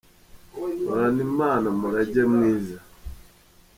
Horana Imana, murage mwiza